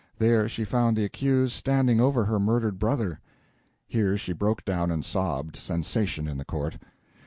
There she found the accused standing over her murdered brother. [Here she broke down and sobbed. Sensation in the court.